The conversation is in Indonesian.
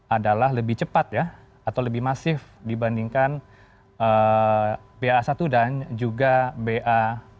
adalah lebih cepat ya atau lebih masif dibandingkan ba satu dan juga ba lima